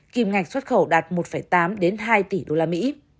kim ngạch xuất khẩu đạt một tám hai tỷ usd